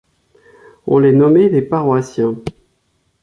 On les nommait les Paroissiens.